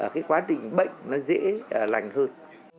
cái quá trình bệnh nó dễ lành hơn